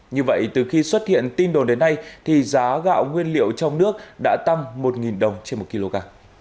như vậy từ khi xuất hiện tin đồn đến nay thì giá gạo nguyên liệu trong nước đã tăng một đồng trên một kg